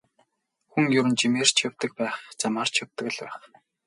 Хүн ер нь жимээр ч явдаг байх, замаар ч явдаг л байх.